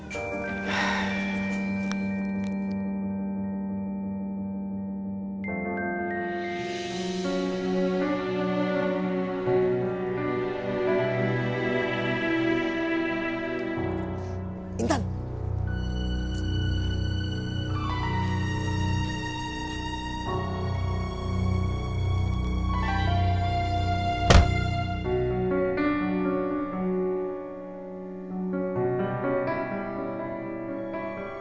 terima kasih allah